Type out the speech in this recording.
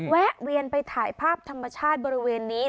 แวะเวียนไปถ่ายภาพธรรมชาติบริเวณนี้